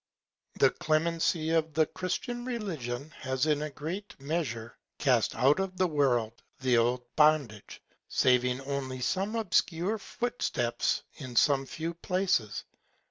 The Clemency of the Christian Religion has in a great Measure cast out of the World the old Bondage, saving only some obscure Foot Steps in some few Places.